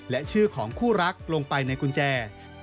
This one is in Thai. และชื่อของคู่รักลงไปในกุญแจ